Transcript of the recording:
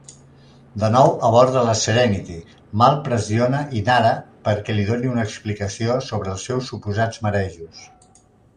De nou a bord de la Serenity, Mal pressiona Inara perquè li doni una explicació sobre els seus suposats marejos.